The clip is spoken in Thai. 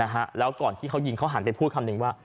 แล้วก่อนที่เขายิงเขาหันไปพูดคำหนึ่งว่า